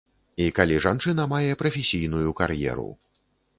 І калі жанчына мае прафесійную кар'еру.